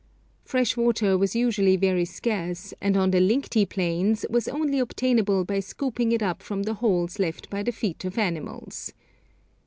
Fresh water was usually very scarce, and on the Lingti plains was only obtainable by scooping it up from the holes left by the feet of animals.